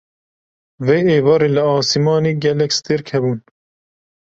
Vê êvarê li asîmanî gelek stêrk hebûn.